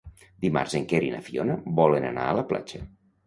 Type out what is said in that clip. Dimarts en Quer i na Fiona volen anar a la platja.